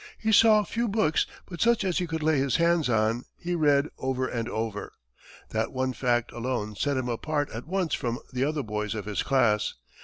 He saw few books, but such as he could lay his hands on, he read over and over. That one fact alone set him apart at once from the other boys of his class.